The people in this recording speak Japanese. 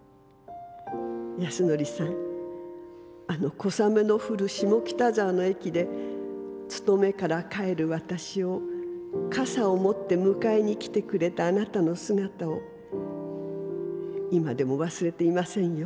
安典さんあの小雨のふる下北沢の駅で勤めから帰る私を傘をもって迎えにきてくれたあなたの姿を今でも忘れていませんよ。